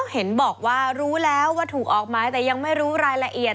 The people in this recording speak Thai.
เห็นบอกว่ารู้แล้วว่าถูกออกหมายแต่ยังไม่รู้รายละเอียด